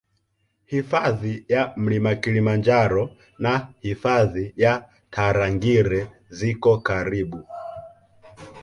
Hifadhi ya Mlima Kilimanjaro na Hifadhi ya Tarangire ziko karibu